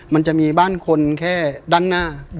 มันจะมีบ้านคนแค่ด้านหน้า